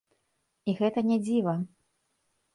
І гэта не дзіва.